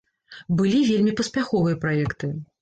Былі вельмі паспяховыя праекты.